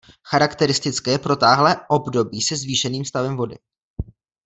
Charakteristické je protáhlé období se zvýšeným stavem vody.